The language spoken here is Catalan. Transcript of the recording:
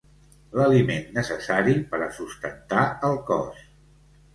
L'aliment necessari per a sustentar el cos.